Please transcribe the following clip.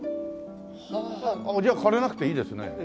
はあはあじゃあ枯れなくていいですね。